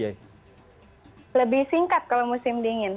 lebih singkat kalau musim dingin